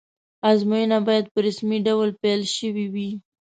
ازموینه باید په رسمي ډول پیل شوې وی.